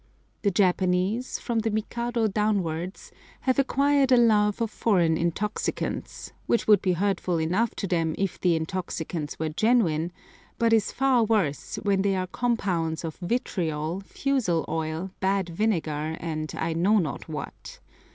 The Japanese, from the Mikado downwards, have acquired a love of foreign intoxicants, which would be hurtful enough to them if the intoxicants were genuine, but is far worse when they are compounds of vitriol, fusel oil, bad vinegar, and I know not what.